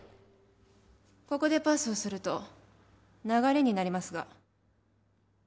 ここでパスをすると流れになりますが？